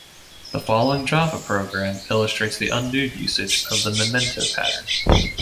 The following Java program illustrates the "undo" usage of the memento pattern.